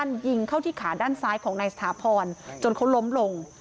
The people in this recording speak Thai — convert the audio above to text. ยิงเข้าที่ขาด้านซ้ายของนายสถาพรจนเขาล้มลง